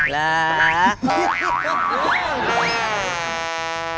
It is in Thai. ลาลา